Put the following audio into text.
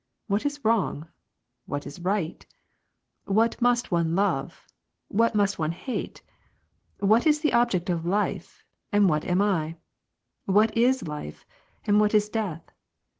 What is wrong ? What is right ? What must one love ? What must one hate ? What is the object of life, and what am I ? What is life, and what is death